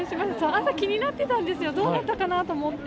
朝気になってたんですよ、どうなったかなって思って。